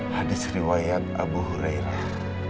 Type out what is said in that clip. hadis riwayat abu hurairah